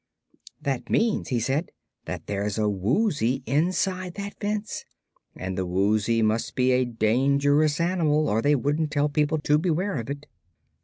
"That means," he said, "that there's a Woozy inside that fence, and the Woozy must be a dangerous animal or they wouldn't tell people to beware of it."